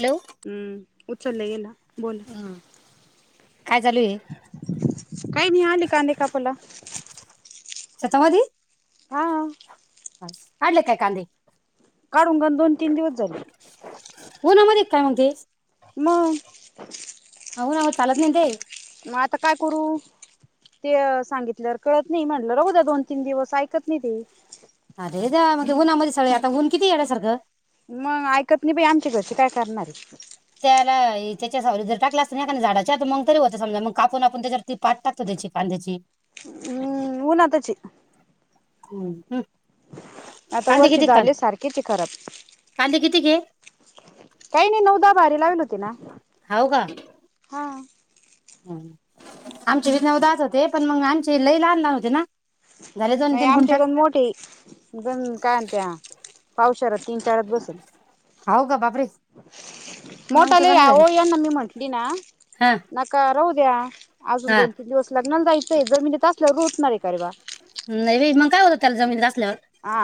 Hello हूं उचलला येला बोला काय चालू आहे काय नि आली कांदे कापायला. शतामधी हा काढले काय कांदे? काढून [unintelligible] दोन तीन दिवस [inaudible] उन्हामध्ये काय म्हणतेस मग हो ना आहो चालत नाहीना ते मग आता काय करू ते अ सांगितल्यावर कळत नाही म्हटलं राहू द्या दोन तीन दिवस ऐकत नाही ते. अरे देवा म ते उन्हामध्ये सगळे आता ऊन किती येड्यासारख मग ऐकत नाही बाय आमच्या घरचे काय करणार आहेत. त्याला त्याच्या सावलीत जर टाकलं असतं नाही एका झाडाच्या आ मग तरी होत समजा मग कापून आपण त्याच्यावर ती पात टाकतो त्याची कांद्याची. हं उन्हातच हेत. [inaudible] आता कांदे वर्ष किती कान झाले सारखे ये खरप कांदे किती घे काय नाही नऊ दहा बारी लावलती ना. हव का? हा आमचे बी नऊ दहाच होते पण मग आमचे लई लहान लहान होते ना. झाले दोन नाही तीन आमच्या गुंठात दोन मोठ्या आहेत. [unintelligible] पावशरात तीन चारच बसल. [inaudible] मग तर मोठाले चांगलं झालं आवो यांना मी म्हंटली ना हा नका राहू [inaudible] अजून हा दोन तीन दिवस लग्नाला जाय ते जमिनीत असल्यावर रुतणार आहे का रे बा. नाही बाई मग काय होतं त्याला जमीनत अस आ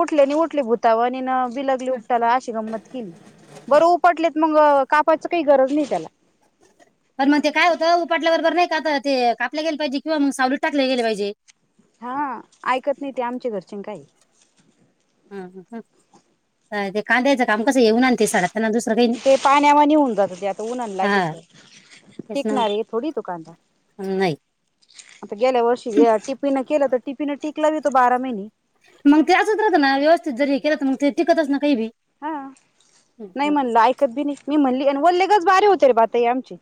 उठले नी उठले भूतावानी न बिलगली उपटायला अशी गंमत केली बरं उपटलीत मग कापायच काही गरज नाही त्याला पण मग ते काय होतं उपाटल्याबरोबर नाही का तर ते कापले गेले पाहिजे मग सावलीत टाकले गेले पाहिजे हा ऐकत नाही ते आमचे घरचे चिंगाय हम् हम हम् अ ते कांदेज ते पाण्यावाणी होऊन जात ते आता उन्हा ला हा गेलत तीच ना रे फोडी तो कांदा नाही आता गेल्या वर्षी टीपीनं केलं होत टीपीनं टीपी मग ते असच राहत ना व्यवस्थित जरी केलं मग ते टिकतच ना काही बी हा हं, नाही हं. म्हणलं ऐकत बी नाही मी म्हणली वलेगच बारी होते बटई आमची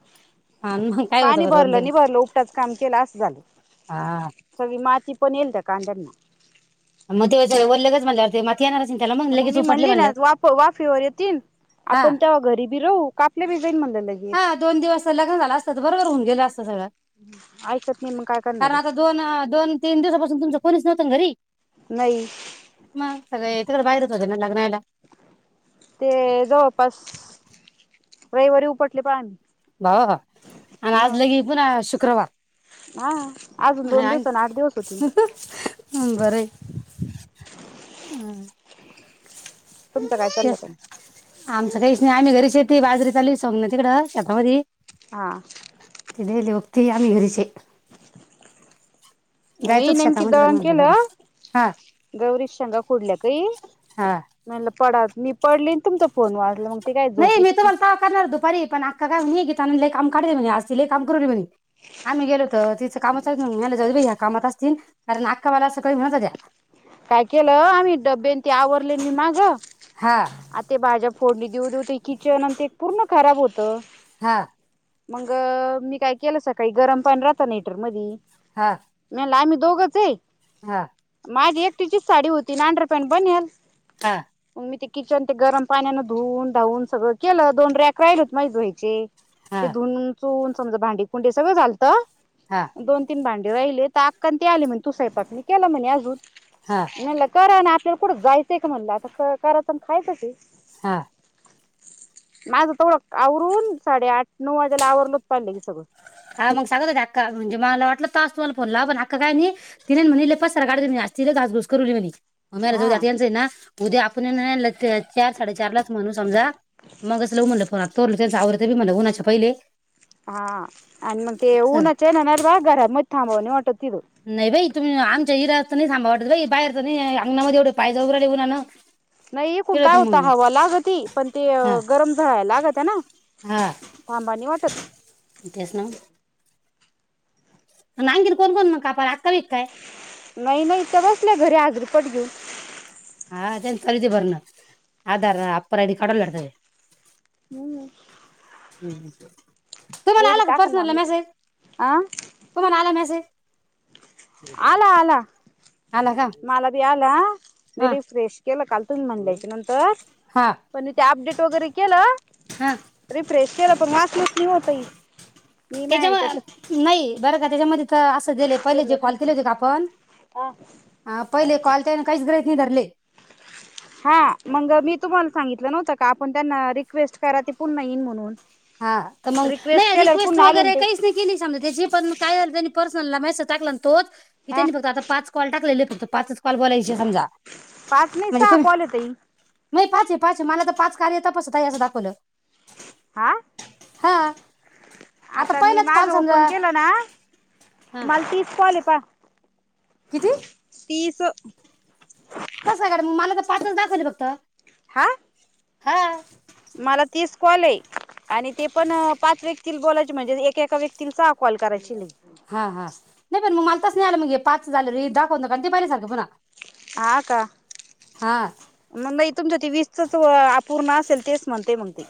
हा, मग काय होतं पाणी बरं भरलं ओल्ले नि भरलं उपटाच काम केलं असं झालं हा सगळी माती कोणल द कांदा ना मग ते जर वर लगेच म्हणल्यावर ते माती येणारच नाही त्याला मग लगेच मी उपटले म्हणली म्हणलं ना वाफ वाफेवर येतील हा आपण तेव्हा घरी बी राहू कापले बी जाईन म्हणलं. लगेच हा दोन दिवस लग्न झालं असत तर बरोबर होऊन गेलं असत सगळं ऐकत नाही मग काय करणार कारण आता आहे दोन दोन तीन दिवसापासून तुमच कोणीच नव्हतं ना घरी नाही मग सगळे तिकडं बाहेरच होते ना लग्नाला ते जवळपास रविवारी उपटले पाणी भाऊ, आणि आज लगे पुन्हा शु क्रवार हा अजून दोन दिवस आणि आठ दिवस होती हं बरयं आ तुमचं काय चाललं पण आमचं काहीच आम्ही घरी शेती बाजरी चाली सोग ना तिकड [unintelligible] हा! ईले होक्तीया आम्ही घरीच यं मी नेमकी पण दळण म्हणलं जरा केलं, हा गौरी शेंगा फुडल्या काही हा म्हणलं पडाव नि पडली नं तुमचा फोन वाजला मग ते काय झोप नही मी येते तुम्हाला तवा करणार दुपारी पण आ कका म्हनी गीतां न लयी काम काढेल म्हणे आज ती लयी काम करुली म्हणे, आम्ही गेलो त तिचं कामच चा ह्यांना जाऊ दे बई ह्या कामात असतील, कारण आक्का माला सकाळी म्हणत व्हत्या काय केलं आम्ही डबेन ते आवरले मी माग हा आते भाज्या फोडणी, दिऊ दिऊ दिऊती? किचन अन ते पूर्ण खराब होतं हा मंग मी काय केलं सकाळी गरम पाणी राहत ना हीटर मधी हा म्हणलं आम्ही दोघंच हे! हा माग एक तिचीच साडी होती अंडरपॅन्ट आणि बनियाल हा मी ते किचन, ते गरम पाण्यान धुवून धावून सगळं केलं, दोन रॅक राहिल होत माझ धुवायचे. ते हा धून सून समज भांडी कुंडी सगळं झालतं दोन तीन भांड राहिले तर आक्का तेन आले म्हण तु स्वयंपाक नाई केला म्हणे अजून हा म्हणलं कर ना? आपल्याला कुडं जायचंय का म्हणलं आता करायाचं आणि खायचंचये हा! माझं तेवढ आवरून साडेआठ नऊ वाजेला आवरलोत पाहा लगेच हा मग सांगत होते अक्का म्हणजे माला वाट म्णलं तास तुमाला फोन लावल अक्का काय नही तिने न म्हने लयी पसारा काढलं ति लयी घास घुस करूली म्हने. घराजवळ हा जात य त्याच आहे ना? उद्या आपूण यन चार साडेचारलाच म्हणू समजा मगच लाऊ म्हणलं फोन [unintelligible] त्याचं आवरतय म्हन ऊणाच्या पहिले हा आणि मग ते असं. ऊनचे नणरबा घरात मदे थांबवा नाही वाटत तिथं नाही बाई तुम्ही आमच्या इद नाही थांबव वाटत बाई बाहेर तनी अंगनामध्ये एवढे पाय जळून राहिले ऊनान नाही इकून काय होता हवा लागती पण ते हा गरम झाळाय लागत त्यांन हा अंबानी वाटत तेच म्हणलं आणखीन कोण कोण कापालात? नाही नाही इथ बसले घरी आ दीड पट घेऊन हा त्याच आलीती भरून आधार [unintelligible] हम् हम. तुम्हाला आला का ना पर्सनला आम्ही मेसेज अ तुम्हाला आला मेसेज? आला आला आला का मला बी आ आ मी हा रीफ्रेश केल काल तुम्ही म्हणल्याच्या नंत तर हा पण ते अपडेट वगैरे केलं हा रिफ्रेश केल पण माझं चिव चिव ताई तेच्याम नाही बर का त्याच्यामध्ये त असं दिले पहिले जे कॉल ह्याच्यात केले होते का आपण हा हा पहिले कॉल त्यान काहीच गृहित नाही धरले हा मग मी तुम्हाला सांगितलं नव्हतं का आपण त्यांना रिक्वेस्ट करा ती पुन्हा येईन म्हणून हा तर मंग नाही केल्यावर रिक्वेस्ट पुन्हा आले वगैरे ते काहीच नाही केली समजा तेची पण काय तेनी पर्स तुला मॅसेज टाकला तोच इथे ह नी फक्त आता पाच कॉल टाकलेले आहे फक्त ता पाचच कॉल बोलायची समजा पाच नाही म्हणजे सहा तुम्ही कॉल आहे ताई मी माई पाच हे पाच मला तर पाच कार्य तपासत आहे अस दाखवल. हा आता मी पहिलाच माझ कॉल समजा ओपन केल ना हा मला तीस कॉल येत रिकामा ऑडिओ [inaudible] किती? तीस कस कारण मला तर पाचच दाखवतय फक्त हा हा मला तीस कॉल ये आणि ते पण पाच व्य तील बोलायचे म्हणजे एकएका व्यक्तीला सहा कॉल करायची ले कसलं आल मंग पाचच आल र दाखव न ते पाहिल्या सारख पुन्हा आ का हा म मई तुमच ते वीस असच अपूर्ण असेल ते म्हणते मंग ते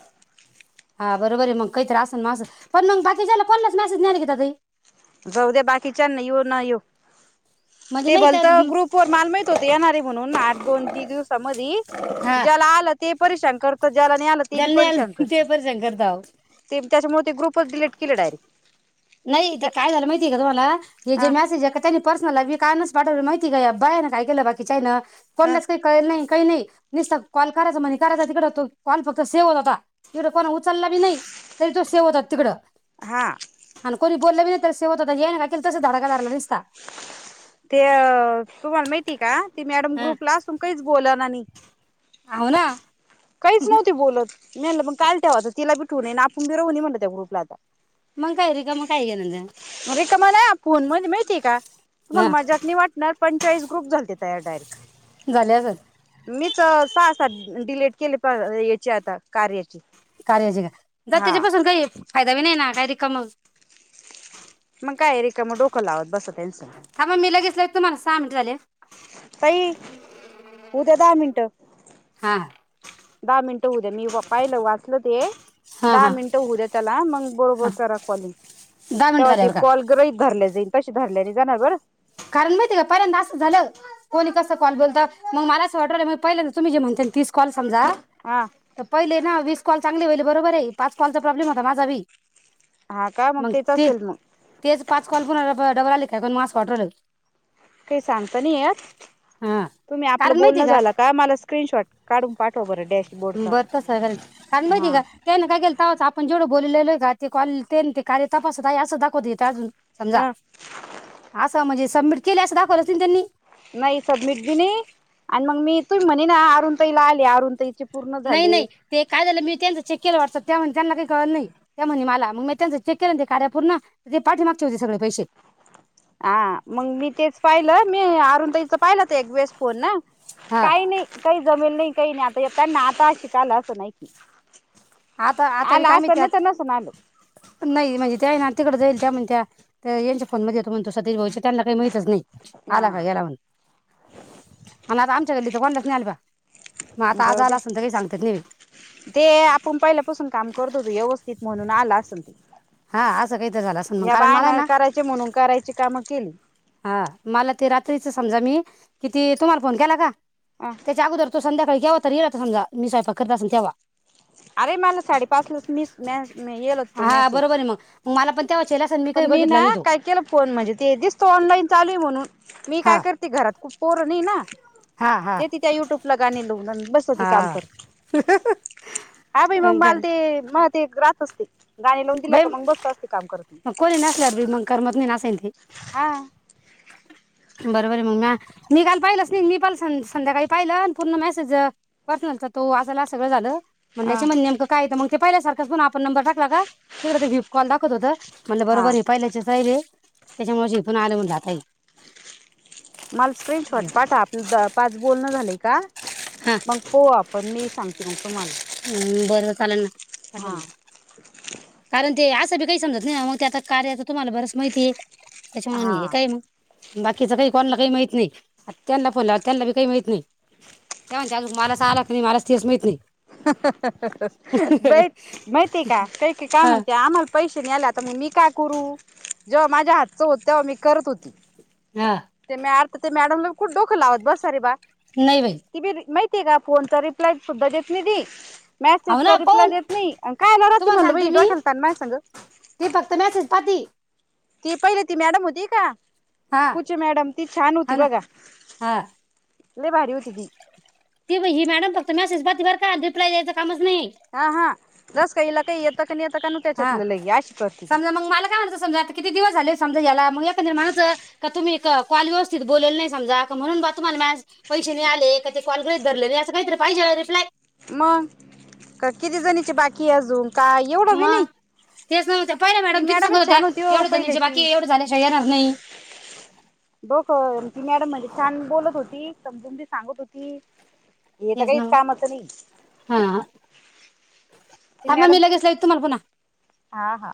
हा बरोबर आहे मग काहीतरी असन माझ पण मंग बाकीच्याला कोलाच मेसेज नाय आलय गीता ताई जाऊद्या बाकीच्याना येऊ न येऊ म्हणजे ते नाही भलत त्यात ग्रुप वर माल माहित होत येणारे म्हणून आठ दोन तीन दिवसामधी हा ज्याला आल ते परेशान कर ज्याला नाई आल ते बी ज्याला नाही परेशान आलं करत. ते परेशान करता अहो. ते बी त्याच्यामुळ ते ग्रुपच डिलीट केले डायरेक्ट नाही ते काय झाल माहितीये का तुम्हाला हे जे अ मॅसेज ऐकताय पर्सनल लाईफी हे [unintelligible] माहितीये का बाया ना काय काय लय बाकीच्या हाय ना अ कोणलाच काई कळेल नाही काई नाही निसता कॉल करायचा म्हणे करायचा तिकड तो कॉल फक्त सेव होत होता तिकड कोणा उचलला बी नाही तरी तो सेव्ह होत होता तिकड हा हा ना कोणी बोलल बी नाही तर सेव होत होता ये का तस धडाका धरला ते अ तुम्हाला माहितीये का? ती मॅडम ग्रुपला असून काहीच बोलना नी हाव ना काहीच नव्हती बोलत. नाहीलं पण काल ठेवाता तिला भी ठिवू नए नई आपण बि रवू नये म्हटलं त्या ग्रुपला आता. मंग काय रिकाम काय घेणदेण रिकामा नाय हा फोन मध्ये माहितीये का हा तुम्हाला मजाक नाही वाटणार पंचालिस ग्रुप झालतेत. रिकामा ऑडिओ [inaudible] झाले असन मीच सहा-सात डिलेट केली पर याची आता कार्याची कार्याची का ज हा त्याच्यापासून काही फायदा बी नाही ना काय? कमव मग काय रिकामं डोकं लावत बसत. थांबा मी लगेच लाविते तुम्हाला सहा मिनट झाले. ताई उद्या दहा मिनट हा दहा मिनटं होऊद्या मी पाहिलं वाचलं ते हा दहा हा मिनिट होऊद्या त्याला मग बरोबर हा करा कॉलिंग दहा मिनिट तेव्हा ते झाल्यावर का कॉल ग्रहीत धरल्या जाईल. तशी धरल्याली जाणार बरं कारण माहितीय का पहिल्यांद असं झालं कोणी कस कॉल बोलत मग मला अस वाटवलं मग पहिल्यांद तु्म्ही जे म्हणता तीस कॉल समजा हा तर पहिले ना वीस कॉल चांगले होइल बरोबर आहे पाच कॉलचा प्रॉब्लेम होता माझा बी हा का मग तेच ते असेल मग तेच पाच कॉल कुणाला पन डबल आले. त्या पण मास वाटलं काही सांगता नाही येत हा तुम्ही आपलं कारण माहिती बोलणं आहे झालं का मला स्क्रीनशॉट काढून पा हो बरं डॅशबोर्डचा बरं तस करती कारण माहिती हा का त्यांनी काय केलता साफ पण जेवढं बोलले आहे कॉल ते न ते कार्य ते तपासत आहे असं दाखवत देत अजून समजा ह अस म्हणजे सबमिट केले असं दाखवत असतील त्यांनी नाही सबमिट बी नाही आणि मग मी तुम्ही म्हणे ना अरुण तईला आले अरुण तईचे पूर्ण नाही झाले. नाही ते काय झालं मी त्यांचं चेक केलं वाटत त्या म्हणत्या त्याना काही कळलं नाही त्या म्हणे मला मग म त्यांचं चेक केलं ना ते कार्या पूर्ण ते पाठीमागचे होते सगळे पैसे हा मग मी तेच पाहिलं मी अरुण ताईच पाहिलं तर एक वेळेस फोन ना हा काही नाही काही जमन नाही काही नाही आता त्यांना आता शिका आलं असं नाही कि आता आता बी काय माहिती आज नसून आलं नाई म्हणजे काय ये ना तिकड जाईल त्या म्हणत्या ते यांच्या फोनमध्ये येतो म्हणतो सतीश भाऊचा त्यांना काही माहितच नाही. आला का हा गेलाऊन आणि आता आम गल्लीच वांदाच नाही आल् बा मग आता आज जाऊ आला दे असेल तर काही सांगतात नाही ते आपण पहिलं काम करतो होत व्यवस्थित म्हणून आला असल ते हा असं काही तर झालं असं मग या कारण मला आहे बायानं ना करायचे म्हणून करायची काम केली हा मला ते रात्रीच समजा मी किती तुम्हाला फोन केला का? अ त्याच्या अगोदर तो संध्याकाळी घ्यावा तर येला समजा मी सयंपाक करत असीन तेवा. अरे मला साडेपाच लाच मी म हा बरोबर आहे मग म मला पण तेवा पण मी ना काय केलं फोन म्हणजे ते दिसतो ऑनलाईन चालू आहे म्हणून मी काय हा करते घरात पोर नाही ना. हा हा ते ति त्या युट्यूबला गाणी लावून अन बसती काम हा करत हा बाई मग माल ते मह ते ग राहात असते. गाणी लावून दिल्या बाई का मग बसत अस्ती काम करत. मग कोणी नसल्या बी मग करमत नाही असं हाय नाही हा ते बरोबर आहे मग म मी काल पाहिलंच नाही मी पनं सं संध्याकाळी पाहिलं पूर्ण मेसेज वाचणार तर तो वाचायला सगळं झालं. अ म्हणल्याचे म्हण नेमकं काय तर मग ते पाहिल्या सारखंच फोन नंबर टाकला का तिकडे विप कॉल दाखवंत होत म्हणलं बरोबर हा हाय हे पहिल्यायचं साईब हे त्याच्यामुळे जिथून आलं म्हण जातय मला स्क्रीन शॉट पाठा आपलं पाच बोलणं झाले का? हा मग पाहू आपण मी सांगते मग तुमाला ह् बरं चालेल ना आठवणीने कारण ते अस काही समजत नाही मग त्या आता कार्य तर तुम्हाला बरंच माहिती आहे. त्याच्या म्हणूनय काय हा मग बाकीच काही कोणाला काही माहीत नाही त्यांना फोन लावंला त्यांना बी काही माहीत नाही त्या म्हणत्यात मलाचं आला का नाही मलाच तेच माहीत नाही. ब माहिती का काही का काय हा म्हणते आम्हाला पैसे नाहीले आता म मी का करू जेव्हा माझ्या हातचं होत तेव्हा मी करत होती. हा ते मॅर तर ते मॅडमला कुठ डोकं लावत बस अर बा नाही बाई तिबी मै ते का फोनचा रिप्लाय सुधा निदी हो मॅसेजचा ना रिप्लाय पाहून देत नाही कायला राहते तुम्हाला म्हटला सांगते बाई मी वाकलता माय संग. ती फक्त मेसेज पाहती ती पहिले ती मॅडम होती का हा कुचे मॅडम ती छान होती हा ना बघा. हा लै भारी होती ती. ती बी ही मॅडम फक्त मेसेज पाहती बरं का, रिप्लाय द्यायचं काम हा, हा जस काहीला काही येतं का नाही येतं का न हा त्याच्यातलं लई अशी करती ती समजा मग मला काय म्हनायचं समजा आता किती दिवस झालेस समजा याला मंग एखाद्याने म्हणायचं, का तुम्ही कॉल व्यवस्थित बोलेल नाही समजा. का म्हणून बा तुम्हाला आज पैसे नाही आले का ते कॉल गृहीत धरलेले असं काहीतरी पाहिजे ना रिप्लाय. मग का किती जणीची बाकीय अजून काय एवढं बी नाही मग तेच नव्ह त्या पहिल्या ती मॅडम किती सांगत मॅडमच होत्या. छान होती हो एवढ्या जणीचे पहिल्याची बाकीय एवढं झाल्याशिवाय येणार नाही. हो मॅडम म्हणजे छान बोलत होती समजून बी सांगत होती. हे तर तेच ना काहीच वो. कामाचं नाही ती हा मॅडम मी ती लगेच लगी तुम्हाला पुन्हा. हा, हा.